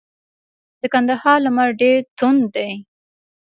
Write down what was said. د کندهار لمر ډیر توند دی.